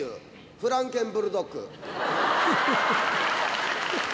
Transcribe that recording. フランケンブルドッグ。